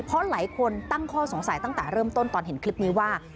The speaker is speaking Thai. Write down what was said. เพราะหลายคนตั้งข้อสงสัยตั้งแต่เริ่มต้นตอนเห็นคลิปนี้ว่า